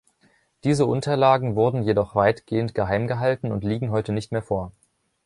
Diese Unterlagen wurden jedoch weitgehend geheim gehalten und liegen heute nicht mehr vor.